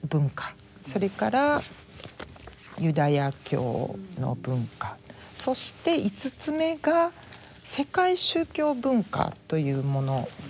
それからユダヤ教の文化そして５つ目が世界宗教文化というものですね。